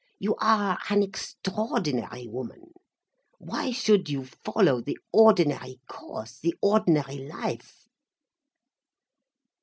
You are an extraordinary woman, why should you follow the ordinary course, the ordinary life?"